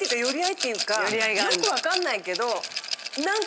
よくわかんないけど。